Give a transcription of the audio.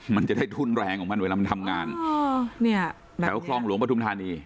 มันจะได้ทุนแรงของมันเวลามันทำงานอ๋อเนี่ยแถวคลองหลวงปฐุมธานี